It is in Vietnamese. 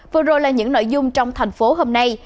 vừa rồi là những nội dung trong thành phố hôm nay